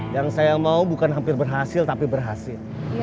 yang saya mau bukan hampir berhasil tapi berhasil